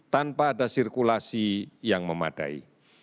tanpa ada sirkulasi yang memadai